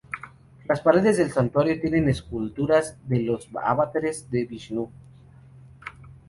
Las paredes del santuario tienen esculturas de los avatares de Vishnú.